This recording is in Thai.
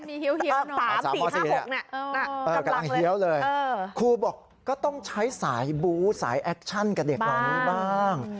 มี๓๔๕๖กำลังเฮี้ยวเลยครูบอกก็ต้องใช้สายบู๊สายแอคชั่นกับเด็กเหล่านี้บ้าง